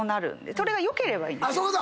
それがよければいいですよ。